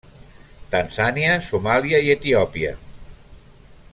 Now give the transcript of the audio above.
Tanzània, Somàlia i Etiòpia.